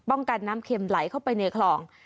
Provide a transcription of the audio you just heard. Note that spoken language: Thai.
กันน้ำเข็มไหลเข้าไปในคลอง